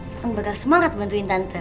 akan bakal semangat bantuin tante